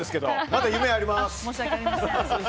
まだ夢ありまーす。